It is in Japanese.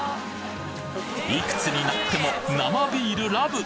いくつになっても生ビールラブ！